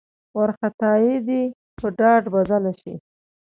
وارخطايي دې په ډاډ بدله شي.